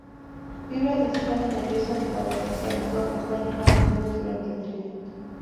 Fibras del sistema nervioso parasimpático acompañan a ambos nervios durante el trayecto.